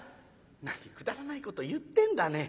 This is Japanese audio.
「なにくだらないこと言ってんだね」。